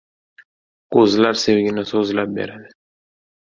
• Ko‘zlar sevgini so‘zlab beradi.